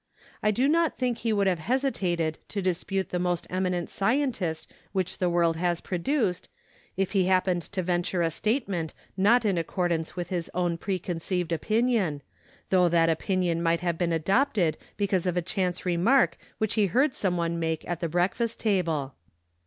I do not think he would have hesi¬ tated to dispute the most eminent scientist which the world has produced, if he hap¬ pened to venture a statement not in accord¬ ance with his own preconceived opinion, though that opinion might have been adopted because of a chance remark which he heard some one make at the breakfast table."